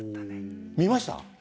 見ました？